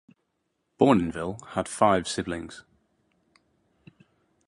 Bournonville had five siblings.